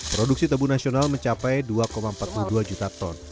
produksi tebu nasional mencapai dua empat puluh dua juta ton